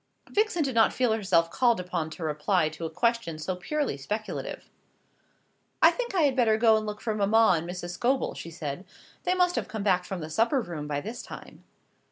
Vixen did not feel herself called upon to reply to a question so purely speculative. "I think I had better go and look for mamma and Mrs. Scobel," she said; "they must have come back from the supper room by this time."